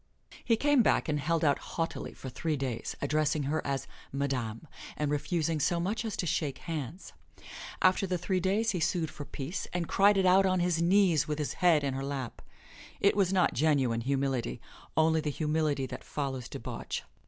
He came back and held out haughtily for three days, addressing her as "Madame," and refusing so much as to shake hands. After the three days he sued for peace and cried it out on his knees with his head in her lap. It was not genuine humility, only the humility that follows debauch.